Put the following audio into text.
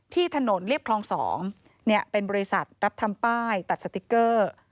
ที่ถนนเรียบคลอง๒เป็นบริษัทรับทำป้ายตัดสติ๊กเกอร์